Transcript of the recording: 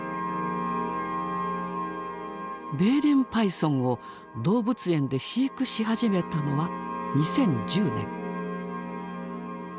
ベーレンパイソンを動物園で飼育し始めたのは２０１０年。